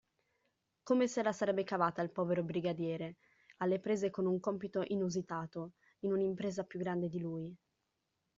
Come se la sarebbe cavata il povero brigadiere, alle prese con un compito inusitato, in un'impresa più grande di lui?